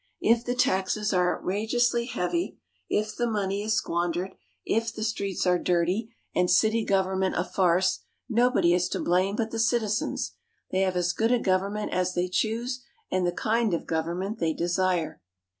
If the taxes are outrageously heavy, if the money is squandered, if the streets are dirty and city government a farce, nobody is to blame but the citizens. They have as good a government as they choose, and the kind of government they desire.